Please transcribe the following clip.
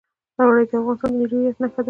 اوړي د افغانستان د ملي هویت نښه ده.